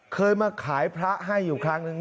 เคยมาขายพระให้อยู่ครั้งหนึ่ง